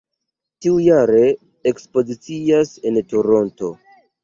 Tiujare ekspozicias en Toronto.